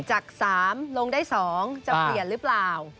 จาก๓ลงได้๒จะเปลี่ยนหรือเปล่า